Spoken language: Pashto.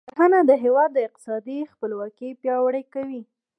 کرنه د هیواد اقتصادي خپلواکي پیاوړې کوي.